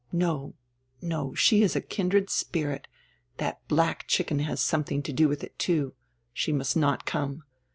"No, no, she is a kindred spirit. That black chicken has something to do with it, too. She must not come.